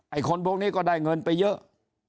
คนพวกนี้ก็ได้เงินไปเยอะ